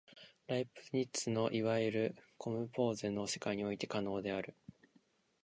ライプニッツのいわゆるコムポーゼの世界において可能である。